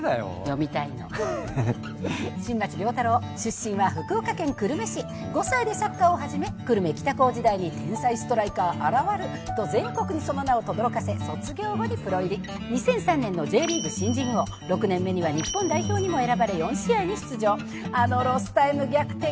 読みたいの新町亮太郎出身は福岡県久留米市５歳でサッカーを始め久留米北高時代に天才ストライカー現ると全国にその名をとどろかせ卒業後にプロ入り２００３年のＪリーグ新人王６年目には日本代表にも選ばれ４試合に出場あのロスタイム逆転